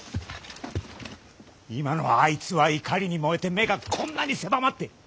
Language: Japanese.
今のあいつは怒りに燃えて目がこんなに狭まっている。